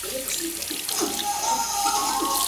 o زه خو پر ځان خپله سایه ستایمه,